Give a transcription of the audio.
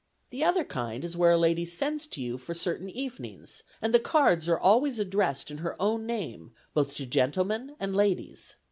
The other kind is where a lady sends to you for certain evenings, and the cards are always addressed in her own name, both to gentlemen and ladies.